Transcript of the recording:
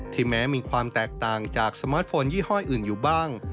แม้มีความแตกต่างจากสมาร์ทโฟนยี่ห้ออื่นอยู่บ้าง